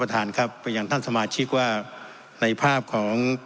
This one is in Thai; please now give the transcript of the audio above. ท่านครับไปยังท่านสมาชิกว่าในภาพของ